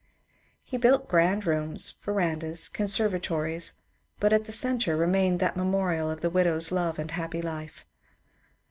He built grand rooms, verandas, con servatories, but at the centre remained that memorial of the widow's love and happy life.